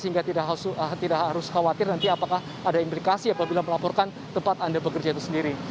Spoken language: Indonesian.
jadi anda harus khawatir nanti apakah ada implikasi apabila melaporkan tempat anda bekerja itu sendiri